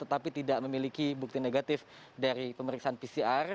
tetapi tidak memiliki bukti negatif dari pemeriksaan pcr